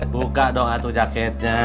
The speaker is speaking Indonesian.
buka dong atuh jaketnya